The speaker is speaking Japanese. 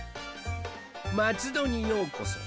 「まつどにようこそ」。